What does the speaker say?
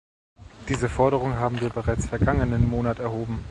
Diese Forderung haben wir bereits vergangenen Monat erhoben!